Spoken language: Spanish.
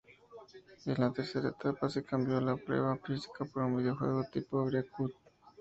En la tercera etapa, se cambió la prueba física por un videojuego tipo "Breakout".